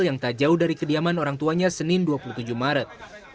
yang tak jauh dari kediaman orang tuanya senin dua puluh tujuh maret